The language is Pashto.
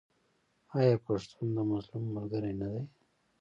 آیا پښتون د مظلوم ملګری نه دی؟